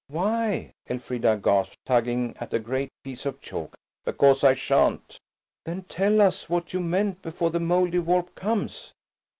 "Why?" Elfrida gasped, tugging at a great piece of chalk. "Because I shan't." "Then tell us what you meant before the Mouldiwarp comes."